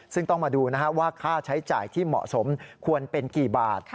ซึ่งต้องมาดูว่าค่าใช้จ่ายที่เหมาะสมควรเป็นกี่บาท